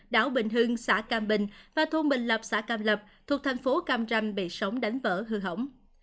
đảo bình hưng xã cam bình và thôn bình lập xã cam lập thuộc thành phố cam ranh bị sóng đánh vỡ hư hỏng